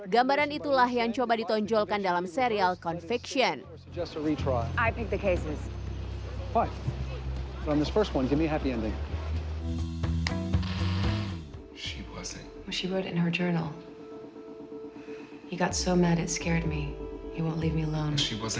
gambaran itulah yang coba ditonjolkan dalam serial convection